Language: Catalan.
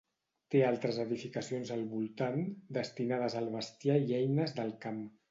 Té altres edificacions al voltant, destinades al bestiar i eines del camp.